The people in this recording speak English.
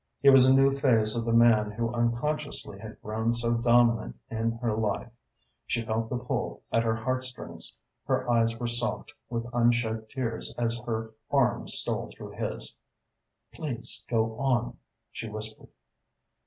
It was a new phase of the man who unconsciously had grown so dominant in her life. She felt the pull at her heartstrings. Her eyes were soft with unshed tears as her arm stole through his. "Please go on," she whispered.